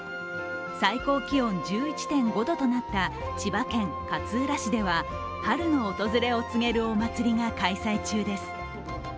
最高気温１１．５度となった千葉県勝浦市では、春の訪れを告げるお祭りが開催中です。